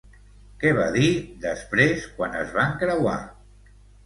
Què va dir després quan es van creuar?